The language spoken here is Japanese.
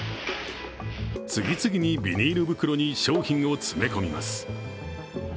次々にビニール袋に商品を詰め込みます。